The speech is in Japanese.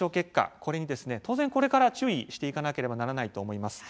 これに当然これから注意していかなければいけないと思います。